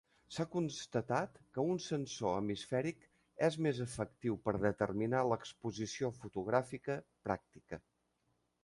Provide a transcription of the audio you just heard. S'ha constatat que un sensor hemisfèric és més efectiu per determinar l'exposició fotogràfica pràctica.